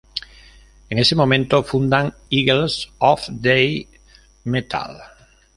En ese momento fundan Eagles of Death Metal.